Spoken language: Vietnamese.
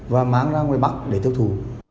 và mang ra ngoài bắc để tiếp thù